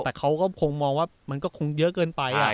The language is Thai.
แต่เขาก็คงมองว่ามันก็คงเยอะเกินไป